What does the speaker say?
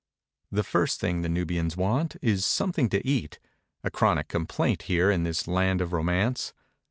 The first thing the Nubians want is something to eat — a chronic complaint here in this land of romance.